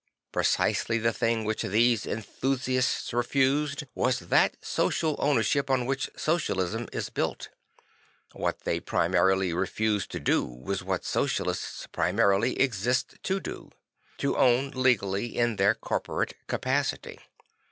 Precisely the thing which these enthusiasts refused was that social ownership on which Socialism is built; what they primarily refused to do was what Socialists primarily exist to do; to own legally in their corporate capacity.